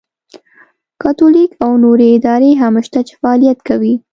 کاتولیک او نورې ادارې هم شته چې فعالیت کوي.